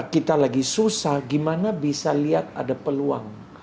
kita lagi susah gimana bisa lihat ada peluang